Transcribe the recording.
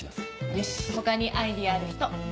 よし他にアイデアある人！